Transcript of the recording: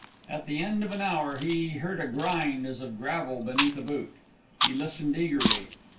At the end of an hour he heard a grind as of gravel beneath a boot. He listened eagerly.